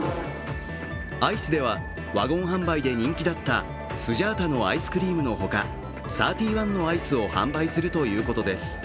アイスではワゴン販売で人気だったスジャータのアイスクリームのほか３１のアイスを販売するということです。